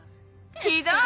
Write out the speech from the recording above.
ひどい！